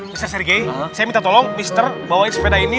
mister sergei saya minta tolong mister bawain sepeda ini